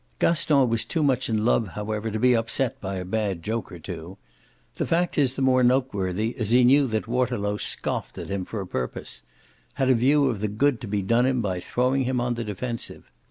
Gaston was too much in love, however, to be upset by a bad joke or two. This fact is the more noteworthy as he knew that Waterlow scoffed at him for a purpose had a view of the good to be done him by throwing him on the defensive.